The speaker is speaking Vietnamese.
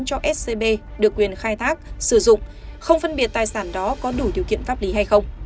cho scb được quyền khai thác sử dụng không phân biệt tài sản đó có đủ điều kiện pháp lý hay không